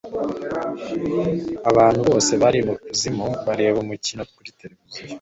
abantu bose bari mukuzimu bareba umukino kuri tv